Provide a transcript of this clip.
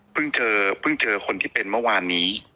เพิ่งเจอคนที่เป็นเมื่อวานนี้